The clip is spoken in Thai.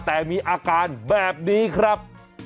แต่มีอาการแบบนี้ครับ